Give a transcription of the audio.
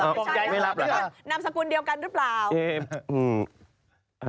นำสกุลเดียวกันหรือเปล่า